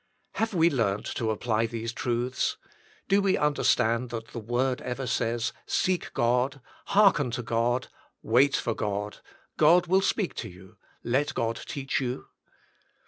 Have we learnt to apply these truths? Do we understand that the word ever says " Seek God. Hearken to God. Wait for God. God will speak to you. Let God teach you